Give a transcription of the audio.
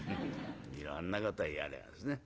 いろんなこと言われますね。